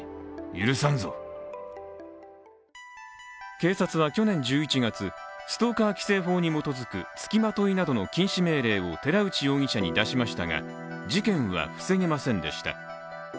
警察は去年１１月、ストーカー規制法に基づくつきまといなどの禁止命令を寺内容疑者に出しましたが事件は防げませんでした。